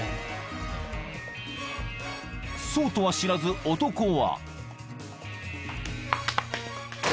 ［そうとは知らず男は］